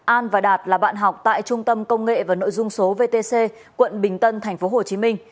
an và đạt là bạn học tại trung tâm công nghệ và nội dung số vtc quận bình tân tp hcm